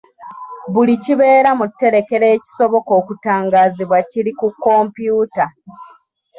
Buli kibeera mu tterekero ekisoboka okutangaazibwa kiri ku kompyuta.